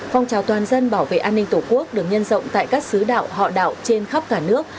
phong trào toàn dân bảo vệ an ninh tổ quốc được nhân rộng tại các xứ đạo họ đạo trên khắp cả nước